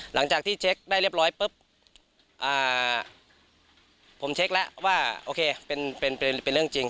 หลังจากที่เช็คได้เรียบร้อยปุ๊บผมเช็คแล้วว่าโอเคเป็นเรื่องจริง